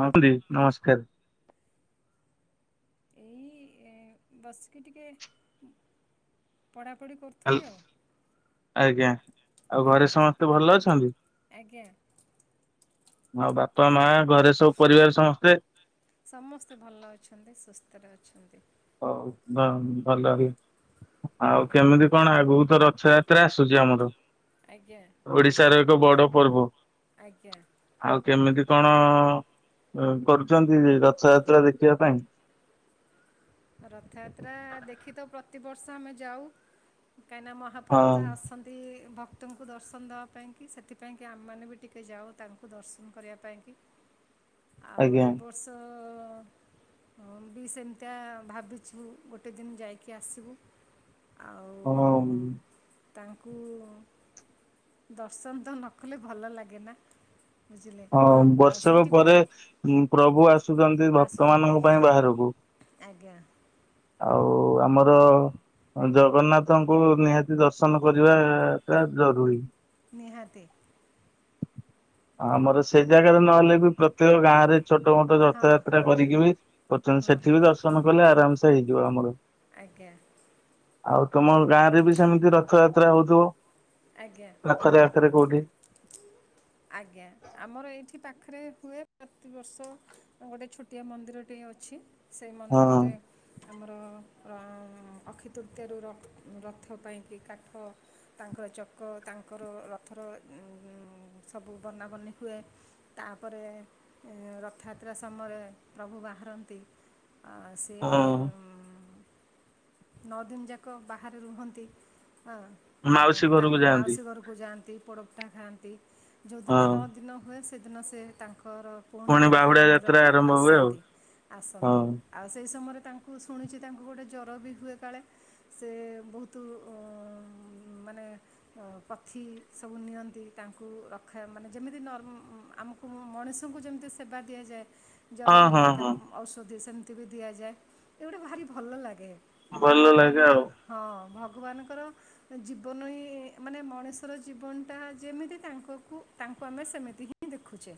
ହଁ ଖୁଡି ନମସ୍କାର। ଏଇ ବସିକି ଟିକେ ପଢାପଢି କରୁ ହାଲ ଆଜ୍ଞା ଆଉ ଘରେ ଆଜ୍ଞା ସମସ୍ତେ ଭଲ ଅଛନ୍ତି? ଆଜ୍ଞା ଆଉ ବାପା ମା ଘରେ ସବୁ ପରିବାର ସମସ୍ତେ? ସମସ୍ତେ ଭଲ ଅଛନ୍ତି ସୁସ୍ଥରେ ଅଛନ୍ତି। ହଉ ଭ ଭଲ ବି ଆଉ ଆଜ୍ଞା କେମିତି କଣ ଆଗୁକୁତ ରଥଯାତ୍ରା ଆସୁଛି ଆମର। ଆଜ୍ଞା। ଓଡିଶାର ଏକ ବଡ ପର୍ବ। ଆଜ୍ଞା। ଆଉ କେମିତି କଣ କରୁଛନ୍ତି ରଥଯାତ୍ରା ଦେଖିବା ପାଇଁ? ରଥଯାତ୍ରା ଦେଖି ତ ପ୍ରତିବର୍ଷ ଆମେ ଯାଉ କାହିଁକିନା ମୋ ହଁ ମହାପ୍ରଭୁ ତ ଆସନ୍ତି ଭକ୍ତ କ୍ତଙ୍କୁ ଦର୍ଶନ ଦେବା ପାଇଁକି ସେଥିପାଇଁକି ଆମେମାନେ ବି ଟିକେ ଯାଉ ତାଙ୍କୁ ଦର୍ଶନ କରିବା ପାଇଁକି। ଆଉ ଆଜ୍ଞା ଏ ବର୍ଷ ବି ସେମିତିଆ ଭାବିଛୁ ଗୋଟେ ଦିନ ଯାଇକି ଆସିବୁ। ଆଉ ହଁ। ତାଙ୍କୁ ଦର୍ଶନ ତ ନ କଲେ ଭଲ ଲାଗେନା। ବୁଝିଲେ ହଁ ଆଉ ବର୍ଷକ ସେଇଠି ପରେ ପ୍ରଭୁ ଆସ ଆସୁଛନ୍ତି ଭକ୍ତ ଆସୁଛନ୍ତି ମାନଙ୍କ ପାଇଁ ବାହାରକୁ। ଆଜ୍ଞା ଆଉ ଆମର ଜଗନ୍ନାଥଙ୍କୁ ନିହାତି ଦର୍ଶନ କରିବା ଟା ଜରୁରୀ। ନିହାତି। ଆମର ସେଇ ଜାଗାରେ ନହେଲେ ବି ପ୍ରତ୍ୟେକ ଗାଁ ରେ ଛୋଟ ମୋଟ ହଁ ରଥା ଯାତ୍ରା ହଁ କରିକି ବି କରୁଛନ୍ତି ହଁ ସେଠି ବି ଦର୍ଶନ କଲେ ଆରାମସେ ହେଇଯିବ ଆମର। ଆଜ୍ଞା। ଆଉ ତମ ଗାଁ ରେ ବି ସେମିତି ରଥଯାତ୍ରା ହଉଥିବ। ଆଜ୍ଞା। ପାଖରେ ଆଖରେ କୋଉଠି। ଛୁଁ ଆଜ୍ଞା, ଆମର ଏଇଠି ପାଖରେ ହୁଏ ପ୍ରତିବର୍ଷ ଗୋଟେ ଛୋଟିଆ ମନ୍ଦିରଟିଏ ଅଛି। ସେଇ ହଁ ମନ୍ଦିରରେ ଆମର ଅକ୍ଷିତୃତୀୟାରୁ ରଥ ପାଇଁକି କାଠ ତାଙ୍କର ଚକ ତାଙ୍କର ରଥର ସବୁ ବନାବନି ହୁଏ। ତାପରେ ରଥଯାତ୍ରା ସମୟରେ ପ୍ରଭୁ ବାହାରନ୍ତି ଆଁ ସେ ହଁ ସେ ନଅ ଦିନ ଯାକ ବାହାରେ ରୁହନ୍ତି ମାଉସୀ ଉଁ ଘରକୁ ଯାଆନ୍ତି ମାଉସୀ ଘରକୁ ରକୁ ଯାଆନ୍ତି ପୋଡ଼ପିଠା ଖାଆନ୍ତି ଯେଉଁଦିନ ହଁ। ନଅ ଦିନ ହୁଏ ସେଦିନ ସେ ତାଙ୍କର ପୁଣି ତାଙ୍କ ବାହୁଡା ଯାତ୍ରା ମନ୍ଦିରକୁ ଆରମ୍ଭ ହୁଏ ଆଉ ଆସନ୍ତି ଆସନ୍ତି। ଆଉ ସେହି ସମୟରେ ତାଙ୍କୁ ଶୁଣିଛି ତାଙ୍କୁ ଗୋଟେ ଜ୍ୱର ବି ହୁଏ କାଳେ ସେ ବହୁତ ମାନେ ପଥି ସବୁ ନିଅନ୍ତି। ତାଙ୍କୁ ରଖା ମାନେ ଯେମିତି ନର ଆମକୁ ମଣିଷଙ୍କୁ ଯେମିତି ସେବା ଦିଆଯାଏ ଜର ହଁ ହଁ ହେଲେ ହଁ ତା ହଁ। ଔଷଧି ସେମିତି ବି ଦିଆଯାଏ ଏଗୁଡ଼ା ଭାରି ଭଲ ଲାଗେ। ମାନେ ଭଲ ଲାଗେ ଆଉ ଭଗବାନଙ୍କର ହଁ ଭଗବାନଙ୍କର ଜୀବନ ହିଁ ମାନେ ମଣିଷର ଜୀବନଟା ଯେମିତି ତାଙ୍କକୁ ତାଙ୍କୁ ଆମେ ସେମିତି ହିଁ ଦେଖୁଛେ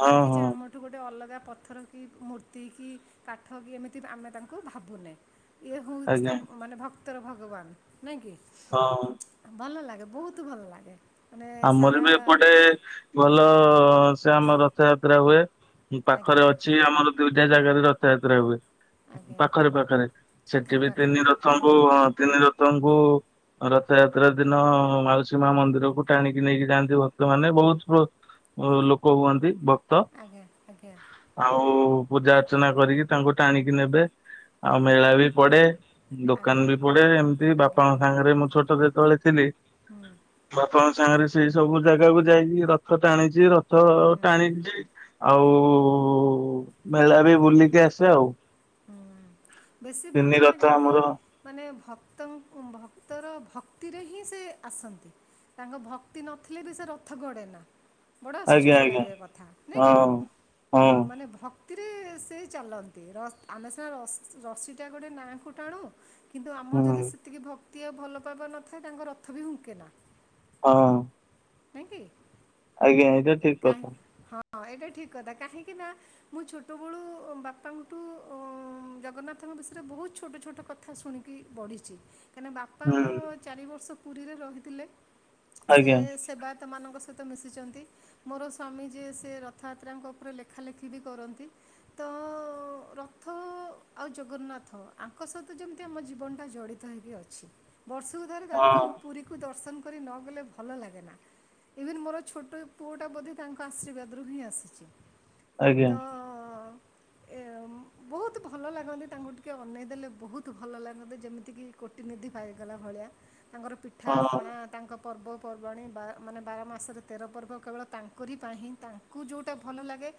ହଁ ନାଇଁକି ଯେ ହଁ ଆମ ଏଠୁ ଗୋଟେ ଅଲଗା ପଥର, କି ମୂର୍ତ୍ତି, କି କାଠ କି ଏମିତି ଆମେ ତାଙ୍କୁ ଭାବୁନେ। ଇଏ ହେଉଛି ଆଜ୍ଞା ତ ମାନେ ଭକ୍ତର ଭଗବାନ ନାଇଁ କି! ହଁ। ଭଲ ଲାଗେ ବହୁତ ଭଲ ଲାଗେ। ମାନେ ଆମର ସାରା ବି ଏପଟେ ଭଲ ସେ ଆମ ରଥଯାତ୍ରା ହୁଏ ପାଖରେ ଆଜ୍ଞା ଅଛି। ଛି ଆମର ଦୁଇଟିଆ ଜାଗାରେ ରଥଯାତ୍ରା ହୁଏ। ଆଜ୍ଞା ପାଖରେ ପାଖରେ ସେଠି ପାଖରେ ବି ପାଖରେ ତିନି ହଁ ରଥଙ୍କୁ ତିନି ରଥଙ୍କୁ ରଥଯାତ୍ରା ଦିନ ମାଉସି ମା ମନ୍ଦିରକୁ ଟାଣିକି ନେଇକି ଯାଆନ୍ତି ଭକ୍ତ ମାନେ ବହୁତ ବହୁତ ଲୋକ ହୁଅନ୍ତି ଭ ଆଜ୍ଞା ଆଜ୍ଞା। ଆଉ ପୂଜା ଅର୍ଚ୍ଚନା କରିକି ତାଙ୍କୁ ଟାଣିକି ନେବେ। ଆଉ ଆଜ୍ଞା ମେଳା ବି ପଡେ, ଆଜ୍ଞା ଦୋକାନ ବି ପଡେ, ଏମିତି ଆଜ୍ଞା ବାପାଙ୍କ ସାଙ୍ଗରେ ମୁଁ ଛୋଟ ଯେତେବେଳେ ଥିଲି। ହୁଁ ଆପଣଙ୍କ ସାଙ୍ଗରେ ସେଇ ସବୁ ଜାଗାକୁ ଯାଇକି ରଥ ଟାଣିଛି ରଥ ଟାଣଛି। ଆଉ ମେଳା ବି ବୁଲିକି ଆସେ ଆଉ! ବେଶି ତିନି ଭଲ ରଥ ଲାଗେ କେ? ଆମର ମାନେ ଭକ୍ତ ଙ୍କୁ ଭକ୍ତର ଭକ୍ତିରେ ହିଁ ସେ ଆସନ୍ତି। ତାଙ୍କ ଭକ୍ତି ନଥିଲେ ବି ସେ ରଥ ଗଡ଼େନା। ବଡ଼ ଆଜ୍ଞା ଆଶ୍ଚର୍ଯ୍ୟ ଆଜ୍ଞା ଲାଗେ ଏ କଥା ନାଇଁ କି ହଁ ହଁ ଭ ମାନେ ଭ କ୍ତିରେ ସେ ଚାଲନ୍ତି ଆମେ ସିନା ରସିଟା ଗୋଟେ ନାଁ ଙ୍କୁ ଟାଣୁ। କିନ୍ତୁ ହୁଁ ଆମର ଯଦି ସେତିକି ଭକ୍ତି ଆଉ ଭଲ ପାଇବା ନଥାଏ ତାଙ୍କ ରଥ ବି ହୁଙ୍କେନା। ହଁ। କାହିଁକି ଆଜ୍ଞା ଏଇଟା ଠିକ କହିଁ କଥା ହଁ। ହଁ ଏଇଟା ଠିକ କଥା କାହିଁକି ନା, ମୁଁ ଛୋଟବେେଳୁ ବାପାଙ୍କଠୁ ଉ। ଜଗନ୍ନାଥଙ୍କ ବିଷୟରେ ବହୁତ ଛୋଟ ଛୋଟ କଥା ଶୁଣିକି ବଢ଼ିଛି କାହିଁକିନା ବାପା ଆମର! ହୁଁ ଚାରି ବର୍ଷ ପୁରୀରେ ରହିଥିଲେ ସେ ଆଜ୍ଞା ସେବାୟତମାନଙ୍କ ସହିତ ମିଶିଛନ୍ତି। ମୋର ସ୍ୱାମୀ ଯିଏ ସେ ରଥଯାତ୍ରାଙ୍କ ଉପରେ ଲେଖା ଲେଖି ବି କରନ୍ତି। ତ ରଥ ଆଉ ଜଗନ୍ନାଥ ଆଙ୍କ ସହିତ ଯେମିତି ଆମ ଜୀବନଟା ଜଡ଼ିତ ହେଇକି ଅଛି। ବର୍ଷକୁ ଥରେ ତାଙ୍କୁ ହଁ ପୁରୀକୁ ଦର୍ଶନ କରି ନଗଲେ ଭଲ ଲାଗେନା। ଇଭିନ୍ ମୋର ଛୋଟ ପୁଅଟା ବୋଧେ ତାଙ୍କ ଆଶୀର୍ବାଦ ରୁ ହିଁ ଆସିଚି। ଆଜ୍ଞା। ଏ ବହୁତ ଭ ଭଲ ଲାଗନ୍ତି ତାଙ୍କୁ ଟିକେ ଅନେଇ ଦେଲେ ବହୁତୁ ଭଲ ଲାଗନ୍ତି ଯେମିତିକି କୋଟିନିଧି ପାଇଗଲା ଭଳିଆ। ତାଙ୍କର ପିଠା ହଁ। ପଣା ତାଙ୍କ ପର୍ବପର୍ବାଣି ମାନେ ବାର ମାସରେ ତେର ପର୍ବ କେବଳ ତାଙ୍କରି ପାଇଁ ହିଁ ତା କୁ ଯୋଉଟା ଭଲ ଲାଗେ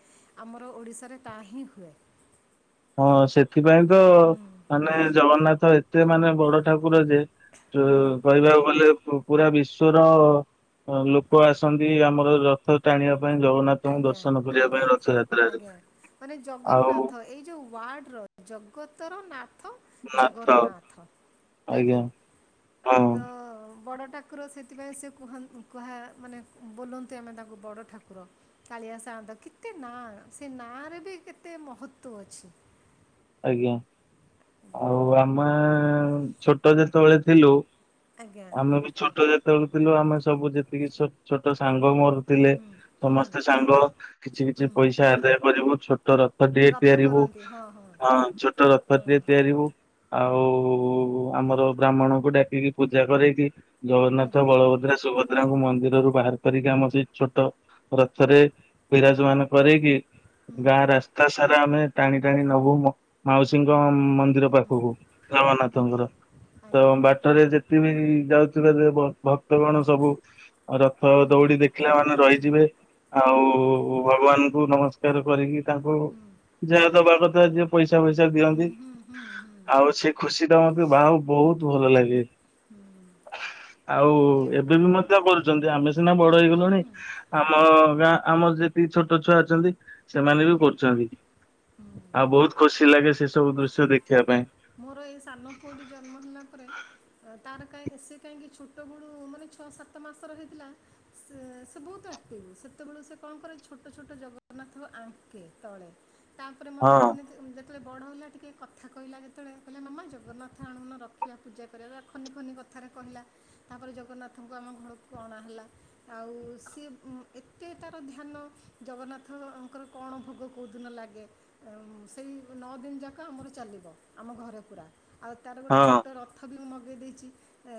ଆମର ଓଡ଼ିଶାରେ ତା ହିଁ ହୁଏ। ହଁ ସେଥିପାଇଁ ତ ହୁଁ ମାନେ ଜଗନ୍ନାଥ ଏତେ ମାନେ ବଡ ଠାକୁର ଯେ ତୁ ହୁଁ କହିବାକୁ ଗଲେ ପୁରା ବିଶ୍ଵର ଲୋକ ଆସନ୍ତି ଆମର ରଥ ଟାଣିବା ପାଇଁ ଜଗନ୍ନାଥ ଆଜ୍ଞା ଆଜ୍ଞା ଆଜ୍ଞା, ମାନେ ଆଉ ଜଗନ୍ନାଥ ଏଇ ଯୋଉ ୱାର୍ଡ ର ଜଗତର ନାଥ ନାଥ ଜଗନ୍ନାଥ ନାଇଁ କି? ଆଜ୍ଞା ହଁ ତ ବଡ଼ଟା ଠାକୁର ସେଥିପାଇଁ ସେ କୁହ କୁହା ମାନେ ବୋଲନ୍ତି ଆମେ ତାଙ୍କୁ ବଡ଼ ଠାକୁର। କାଳିଆ ସାଆନ୍ତ କେତେ ନା। ସେ ନାଁ ରେ ବି କେତେ ମହତ୍ୱ ଅଛି। ଆଜ୍ଞା, ଆଜ୍ଞା ଆଉ ଆମେ ଛୋଟ ଯେତବଳେ ଥିଲୁ ଆଜ୍ଞା ଆମେ ବି ଛୋଟ ଯେତବଳେ ଥିଲୁ ଆମେ ସବୁ ଯେତିକି ଛୋଟ ସାଙ୍ଗ ମୋର ଥିଲେ ସମସ୍ତେ ସାଙ୍ଗ କିଛି କିଛି ପଇସା ଆଦାୟ କରିବୁ ଛୋ ଟ ରଥ ଟିଏ ତିଆରିବୁ। ହଁ ଛୋଟ ହଁ ରଥଟିଏ ତିଆରିବୁ ଆଉ ଆମର ବ୍ରାହ୍ମଣଙ୍କୁ ଡା କିରି ପୂଜା କରେକି ଜଗନ୍ନାଥ, ଆଜ୍ଞା ବଳଭଦ୍ରା, ସୁଭଦ୍ରା ଭଦ୍ରାଙ୍କୁ ମନ୍ଦିରରୁ ବାହାର କରିକି ଆମ ସେଇ ଛୋଟ ରଥରେ ବିରାଜମାନ କରେଇକି ହୁଁ ଗାଁ ରାସ୍ତା ସାରା ଆମେ ଟାଣି ଟାଣି ନବୁ ମାଉସୀଙ୍କ ମନ୍ଦି ମନ୍ଦିର ପାଖକୁ ଆଜ୍ଞା ଜଗନାଥଙ୍କର ତ ଆଜ୍ଞା ବା ବାଟରେ ଯେତେ ବିି ଯାଉଥିବେ ଭକ୍ତ ଗଣ ସବୁ ରଥ ଦଉଡି ଦେଖିଲା ମାନେ ରହିଯିବେ। ଆଉ ଭଗବାନଙ୍କୁ ନମସ୍କାର କରିକି ତାଙ୍କୁ ଯାହାଦବା କ ଯିଏ ପଇସା ଫଇସା ହୁଁ ଦିଅନ୍ତି। ହୁଁ ହୁଁ ହୁଁ ଆଉ ସେ ଖୁସି ତ ମତେ ବାହୁ ବହୁତ୍ ଭଲ ଲାଗେ। ଆଉ ଏ ଏବେ ବି ମଧ୍ୟ କରୁଚନ୍ତି। ଆମେ ସିନା ହୁଁ ବଡ ହୁଁ ହେଇଗଲୁଣି। ହୁଁ ଆମ ଗାଁ ଆମ ଯେତିକି ଛୋଟ ଛୁଆ ଅଛନ୍ତି। ସେମାନେ ବି କରୁଚନ୍ତି। ଆଉ ବୋହୁତ୍ ଖୁସି ଲାଗେ ସେ ସବୁ ଦୃଶ୍ୟ ଦେଖିବା ପାଇଁ। ମୋର ଏଇ ସାନ ପୁଅଟି ଜନ୍ମ ହେଲା ପରେ ଅ, ତାର କାଇଁ ସେ କାହିଁକି ଛୋଟବଳୁ ମାନେ ଛଅ ସାତ ମାସର ହେଇଥିଲା ସେ ସେ ବୋହୁତୁ ଆକ୍ଟିଭ୍। ସେତବଳୁ ସେ କଣ କରେ ଛୋଟ ଛୋଟ ଜଗନ୍ନାଥଙ୍କୁ ଆଙ୍କେ ତଳେ। ତାପରେ ହଁ ମତେ ଦିନେ ଯେତବଳେ ବଡ଼ ହେଲା ଟିକେ କଥା କହିଲା କେତେ ଯେତବଳେ କହିଲା ମାମା ଜଗନ୍ନାଥ ଆଣୁନ ରଖିବା ପୂଜା କରିବା। ପୁରା ଖନି ଖନି କଥାରେ କହିଲା ତାପରେ ଜଗନ୍ନାଥଙ୍କୁ ଆମ ଘରକୁ ଅଣାହେଲା। ଆଉ ସିଏ ଏତେ ତାର ଧ୍ୟାନ ଜଗନ୍ନାଥଙ୍କର କଣ ଭୋଗ କଉଦିନ ଲାଗେ ସେଇ ନଅ ଦିନି ଯାକ ଆମର ଚାଲିବ। ଆମ ଘରେ ପୁରା। ଆଉ ତାର ଗୋଟେ ହଁ ଛୋଟ ରଥ ବି ମୁଁ ମଗେଇ ଦେଇଚି।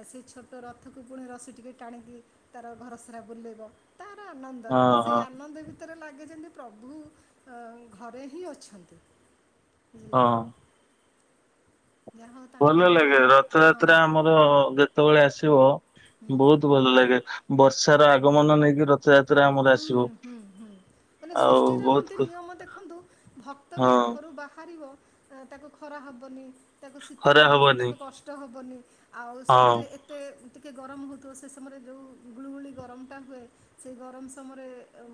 ସେ ଛୋଟ ରଥକୁ ପୁଣି ରସି ଟିକେ ଟାଣିକି ତାର ଘର ସାରା ବୁଲେଇବ। ତାର ଆନନ୍ଦ ହଁ କିନ୍ତୁ ସେଇ ହଁ ଆନନ୍ଦ ଭିତ ତରେ ଲାଗେ ଯେମିତି ପ୍ରଭୁ ଘରେ ହିଁ ଅଛନ୍ତି ବୁଝିଲେ ନା? ହଁ। ଯାହା ହଉ ତାଙ୍କ ଭଲ ଲୀଳା ଲାଗେ ରଥଯାତ୍ରା ହଁ ଆମର ଯେତେବେଳେ ଆସିବ ବୋହୁତ ଭଲ ଲାଗେ। ବର୍ଷା ର ଆଗମନ ନେଇକି ରଥ୍ ରଥଯାତ୍ରା ଆମର ହୁଁ ଆସିବ। ହୁଁ ହୁଁ ହୁଁ। ମାନେ ଆଉ ସୃଷ୍ଟିର ବହୁତ କେମିତି ଖୁ ନିୟମ ଦେଖନ୍ତୁ ଭକ୍ତ ବି ହଁ ଘରୁ ବାହାରିବ ତ ତାକୁ ଖରା ହବନି ତାକୁ ଶୀତ ହବନି ତାକୁ କଷ୍ଟ ହବନି ଆଉ ହଁ ସେଥିରେ ଏତେ ଟିକେ ଗରମ ହଉଥିବ ସେ ସମୟରେ ଯୋଉ ଗୁଳୁଗୁଳି ଗରମଟା ହୁଏ ସେଇ ଗର ଗରମ ସମୟରେ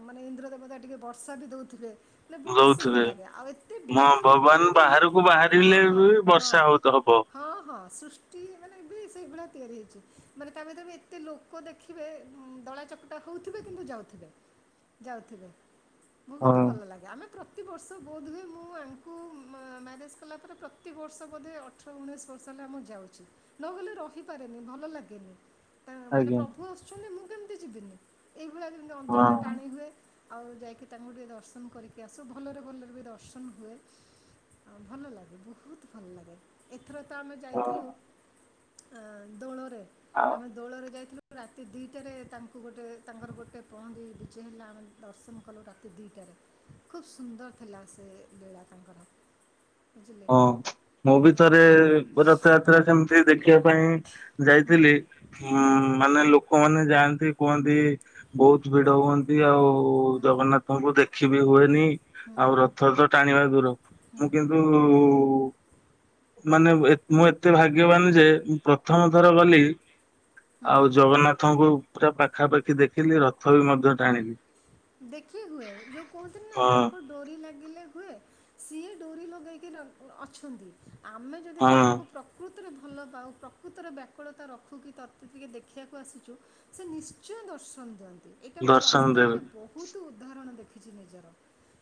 ମାନେ ଇନ୍ଦ୍ର ଦେବତା ଟିକେ ବର୍ଷା ବି ଦଉଥିବେ। ହେଲେ ବୋହୁତ ସୁନ୍ଦର ଦଉଥିବେ। ଲାଗେ ଆଉ ଏତେ ହଁ ଭିଡ଼ ଭିତରେ ଭଗବାନ ବି ବାହାରକୁ ହଁ ବାହାରିଲେ ହଁ ବି ହଁ। ବର୍ଷା ହଉ ହବ। ହଁ ହଁ ସୃଷ୍ଟି ମାନେ ଏ ବି ସେଇଭଳିଆ ତିଆରି ହେଇଛି ମାନେ ତାମେ ତମେ ଏତେ ଲୋକ ଲୋକ ଦେଖିବେ ଦଳା ଚକଟା ହଉଥିବେ କିନ୍ତୁ ଯାଉଥିବେ ଯାଉଥିବେ ହଁ ବୋହୁତ ଭଲ ଲାଗେ ଆମେ ପ୍ର ପ୍ରତିବର୍ଷ ବୋଧ୍ ହୁଏ ମୁଁ ଆଙ୍କୁ ମ୍ୟାରେଜ୍ କଲା ପରେ ପ୍ରତି ବର୍ଷ ବୋଧେ ଅଠର ଉଣେଇଶ ବର୍ଷ ହେଲା ମୁଁ ଯାଉଛି ନହେଲେ ରହିପାରେନି ଭଲ ଲାଗେନି। ମାନେ ଆଜ୍ଞା ପ୍ରଭୁ ଆସୁଛନ୍ତି ମୁଁ କେମିତି ଯିବିନି ଏଇଭଳିଆ ଯେମିତି ହଁ ଅନ୍ତରଟା ଟାଣି ହୁଏ। ଆଉ ଯାଇକି ତାଙ୍କୁ ଟିକେ ଦର୍ଶନ କରିକି ଆସୁ ଭଲରେ ଭଲରେ ବି ଦର୍ଶନ ହୁଏ। ଭଲ ଲାଗେ ବୋହୁତ ଭଲ ଲାଗେ। ଏଥର ତ ଆମେ ହଁ ଯାଇଥିଲୁ ଆଁ ଦୋଳରେ ଆଉ ଆମେ ଦୋଳରେ ଯାଇଥିଲୁ ରାତି ଦିଟାରେ ତାଙ୍କୁ ଗୋଟେ ତାଙ୍କର ଗୋଟେ ପହଣ୍ଡି ବିଜେ ହେଲା ଆମେ ଦର୍ଶନ କଲୁ ରାତି ଦିଟାରେ। ଖୁବ ସୁନ୍ଦର ଥିଲା ସେ ବେଳା ତାଙ୍କର। ବୁଝିଲେ ହଁ ମୁଁ ବି ତ ଥରେ ପୁର ରଥଯାତ୍ରା ସେମିତି ଦେଖିବା ପାଇଁ ହୁଁ ଯାଇଥିଲି ମା ହୁଁ ମାନେ ଲୋକମାନେ ଯାଆନ୍ତି କୁହନ୍ତି ବୋହୁତ ଭିଡ଼ ହୁଅନ୍ତି ଆଉ ଜଗନ୍ନାଥଙ୍କୁ ଦେଖିବି ହୁଏନି। ଆଉ ରଥତ ଟାଣିବା ଦୂର ମୁଁ କିନ୍ତୁ ମାନେ ଏତ୍ ମୁଁ ଏତେ ଭାଗ୍ୟବାନ ଯେ ମୁଁ ପ୍ରଥମ ଥର ଗଲି ଆଉ ଜଗନ୍ନାଥଙ୍କୁ ପୁରା ପାଖାପାଖି ଦେଖିଲି ରଥ ବି ମଧ୍ୟ ଟାଣିଲି। ଦେଖି ହୁଏ ଆ ଯୋଉ କହୁନ୍ତି ନା ହଁ ତାଙ୍କର ଡୋରି ଲାଗିଲେ ହୁଏ ସିଏ ଡୋରି ଲଗେଇକି ଡାକ୍ ଅଛନ୍ତି ଆମେ ଯଦି ହଁ ତାଙ୍କୁ ପ୍ର ପ୍ରକୃତରେ ଭଲ ପାଉ ପ୍ରକୃତରେ ବ୍ୟାକୁଳତା ରଖୁକି ତତେ ଟିକେ ଦେଖିବାକୁ ଆସିଛୁ ସେ ନିଶ୍ଚୟ ଦର୍ଶନ ଦିଅନ୍ତି ଏଇଟା ମୁଁ ଦର୍ଶନ ଦେବେ ବାସ୍ତବରେ ବହୁତ ବହୁତୁ ଉଦାହରଣ ଦେଖିଛି ନିଜର।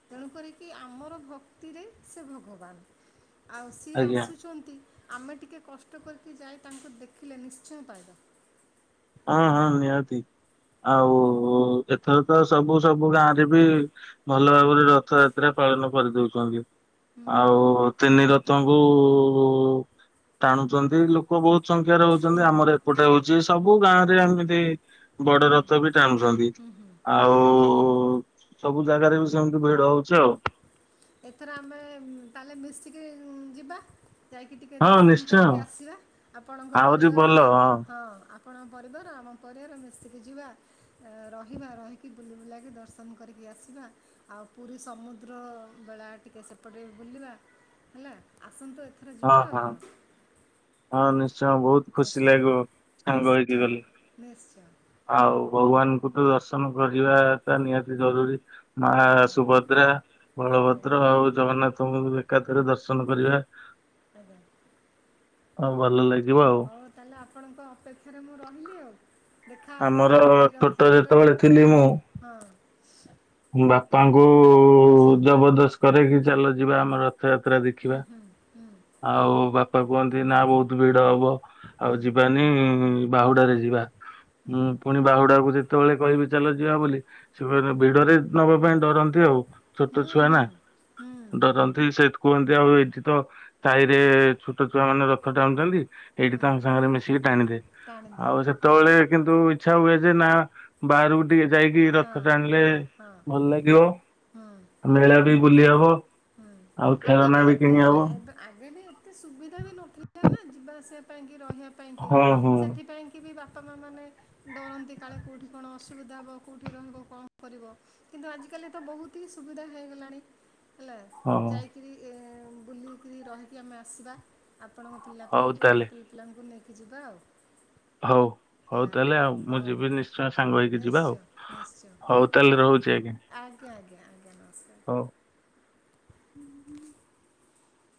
ତେଣୁ କରିକି ଆମର ଭକ୍ତିରେ ସେ ଭଗବାନ। ଆଉ ସିଏ ଆଜ୍ଞା ଆସୁଛନ୍ତି ଆମେ ଟିକେ କଷ୍ଟ କରିକି ଯାଇ ତାଙ୍କୁ ଦେଖିଲେ ନିଶ୍ଚୟ ପାଇବା। ହଁ ହଁ ନିହାତି ଆଉ ଏଥର ତ ସବୁ ସବୁ ଗାଁ ରେ ବି ଭଲ ଭାବରେ ରଥଯାତ୍ରା ପାଳନ କରିଦଉଛନ୍ତି ଆଉ ତିନି ରଥ ଥଙ୍କୁ ଟାଣୁଛନ୍ତି ଲୋକ ବହୁତ ସଂଖ୍ୟାରେ ହଉଛନ୍ତି ଆମର ଏପଟେ ହଉଛି ସବୁ ସବୁ ଗାଁ ରେ ଏମିତି ବଡ଼ ରଥ ବି ଟାଣୁଛନ୍ତି। ଆଉ ସବୁ ଜାଗାରେ ବି ସେମିତି ଭିଡ଼ ହଉଛି ଆଉ। ଏଥର ଆମେ ତାହେଲେ ମିଶିକି ଯିବା। ଯାଇକି ଟିକେ ହଁ ଦର୍ଶନ ନିଶ୍ଚୟ କରିକି ଆସିବା ଆପଣଙ୍କ ଆହୁରି ପରିବାର ଭଲ ଭାଇଭେ ହଁ। ଆପଣ ପରିବାର ଆମ ପରିବାର ମିଶିକି ଯିବା। ରହିବା ରହିକି ବୁଲି ବୁଲାକି ଦର୍ଶନ କରିକି ଆସିବା ଆଉ ପୁରୀ ସମୁଦ୍ର ବେଳା ଟିକେ ସେପଟେ ବୁଲିବା ହେଲା। ଆସନ୍ତୁ, ଏଥର ହଁ ଯିବା ଆଉ ହଁ କଣ! ହଁ ନିଶ୍ଚୟ! ବହୁତ ଖୁସି ନିଶ୍ଚୟ ଲାଗିବ ସାଙ୍ଗ ହେଇକି ନିଶ୍ଚୟ ଗଲେ। ନିଶ୍ଚୟ ଆଉ ଭଗବାନଙ୍କୁ ତ ଦର୍ଶନ କରିବାଟା ନିହାତି ଜରୁରୀ। ମାଆ ଆଜ୍ଞା ସୁଭଦ୍ରା, ଆଜ୍ଞା ବଳଭଦ୍ର ଆଉ ଜଗନ୍ନାଥଙ୍କୁ ଏକାଥରେ ଦର୍ଶନ କରିବା। ଆଜ୍ଞା। ଆଉ ଭଲ ଲାଗିବ। ଆଉ। ହଉ ତାହେଲେ ଆପଣଙ୍କ ଅପେକ୍ଷାରେ ମୁଁ ରହିଲି ଆଉ। ଦେଖାହେବା ଆମର ପୁରୀ ଛୋଟ ରଥଯାତ୍ରାରେ ଯେତେବେଳେ ଥିଲି ମୁଁ ଆଉ ହଁ। ବାପାଙ୍କୁ ଜବରଦସ୍ତ କରରେକି ଚାଲ ଯିବା ଆମର ତ! ରଥଯାତ୍ରା ଦେଖିବା ଆଉ ବାପାଙ୍କୁ କୁହନ୍ତି ନା ବହୁତ୍ ଭିଡ ହବ। ଆଉ ଯିବାନି ବାହୁଡରେ ଯିବା। ହୁଁ ପୁଣି ବାହୁଡାକୁ ଯେତେବେଳେ କହିବେ ଚାଲ, ଯିବା ବୋଲି। ସେ ଭିଡରେ ନବା ପାଇଁ ଡରନ୍ତି ଆଉ, ଛୋଟ ହୁଁ ଛୁଆ ହୁଁ ନା। ହୁଁ ଡରନ୍ତି ସେତ୍ କୁହନ୍ତି ଆଉ ଏଠି ତ। ତାହିରେ ଛୋଟ ଛୁଆ ମାନେ ରଥ ଟାଣୁ ଚନ୍ତି ଏଇଠି ତାଙ୍କ ସାଙ୍ଗରେ ମିଶିକି ଟାଣିଦିଏ। ଟାଣିଦେ ଆଉ ସେତେବେଳେ କିନ୍ତୁ ଇଚ୍ଛା ହୁଏ ଯେ ନା ବାହାରକୁ। ଟିକେ ଯାଇକି ହଁ ରଥ ଟାଣିଲେ ହଁ ହଁ ଭଲ ଲାଗିବ, ହୁଁ ମେଳା ବି ବୁଲି ହବ। ହୁଁ ଆଉ ଆଗେ ଖେଳନା ବି ଏତେ କିଣି ହବ। ଆ- ଏବେ- ଆଗେ ବି ଏତେ ସୁବିଧା ବି ନଥିଲା ନା ଯିବା ଆସିବା ପାଇଁ କି ରହିବା ପାଇଁକି ହଁ ହଁ ସେଥିପାଇଁ। କିଏ ବି ବାପା, ମାଆ ମାନେ ଡରନ୍ତି କାଳେ କୋଉଠି କଣ ଅସୁବିଧା ହେବ କୋଉଠି ରହିବ କଣ କରିବ। କିନ୍ତୁ ଆଜିକାଲି ତ ବହୁତ ହି ସୁବିଧା ହେଇଗଲାଣି। ହେଲା। ହଁ ହଁ। ଯାଇଁ କରି [unintelligible] ବୁଲିକି ରହିି ଆମେ ଆସିବା। ଆପଣଙ୍କ ପିଲା ହଉ ପିଲାଙ୍କୁ ଆମ ତାହେଲେ ପିଲ। ପିଲଙ୍କୁ ନେଇକି ଯିବା ଆଉ। ହଉ ହଉ ହେଲା ତାହେଲେ ଆଉ ମୁଁ ହଉ ଯିବି ନିଶ୍ଚୟ। ସାଙ୍ଗ ହେଇକି ଯିବା ଆଉ। ନିଶ୍ଚୟ ନିଶ୍ଚୟ ହଉ ତାହେଲେ ରହୁଛି ଆଜ୍ଞା। ଆଜ୍ଞା ଆଜ୍ଞା ଆଜ୍ଞା ନମସ୍କାର। ହଉ